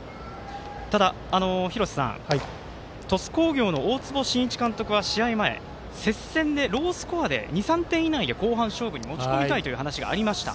ただ廣瀬さん鳥栖工業の大坪慎一監督は試合前、接戦でロースコアで２３点以内で後半勝負に持ち込みたいという話はありました。